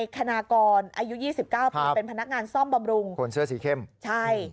ตอนต่อไป